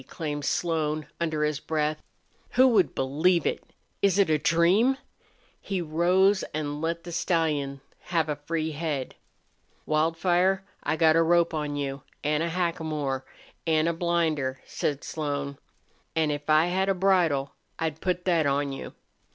exclaimed Slone, under his breath. "Who would believe it! Is it a dream?" He rose and let the stallion have a free head. "Wildfire, I got a rope on you an' a hackamore an' a blinder," said Slone. "An' if I had a bridle I'd put that on you.